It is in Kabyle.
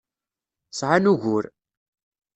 Sɛan ugur.